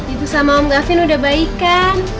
ibu sama om gafin udah baik kan